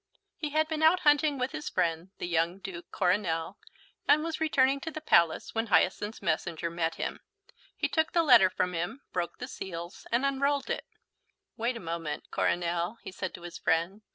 He had been out hunting with his friend, the young Duke Coronel, and was returning to the Palace when Hyacinth's messenger met him. He took the letter from him, broke the seals, and unrolled it. "Wait a moment, Coronel," he said to his friend.